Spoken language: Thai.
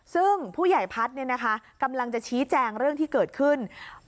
ซึ่งผู้ใหญ่พัฒน์กำลังจะชี้แจงเรื่องที่เกิดขึ้น